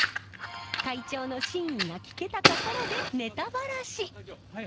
会長の真意が聞けたところでネタバラシ。